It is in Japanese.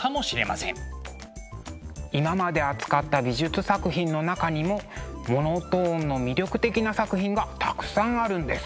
今まで扱った美術作品の中にもモノトーンの魅力的な作品がたくさんあるんです。